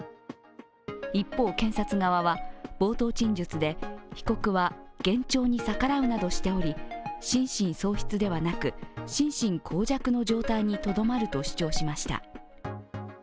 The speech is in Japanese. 一方、検察側は冒頭陳述で被告は、幻聴に逆らうなどしており心神喪失ではなく心神耗弱の状態にとどまると主張しました。